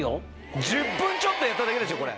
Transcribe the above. １０分ちょっとやっただけですよこれ。